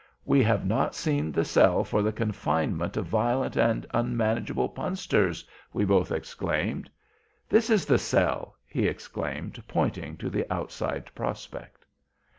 "We have not seen the cell for the confinement of 'violent and unmanageable' Punsters," we both exclaimed. "This is the sell!" he exclaimed, pointing to the outside prospect.